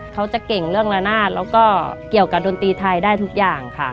เขาจะเก่งเรื่องละนาดแล้วก็เกี่ยวกับดนตรีไทยได้ทุกอย่างค่ะ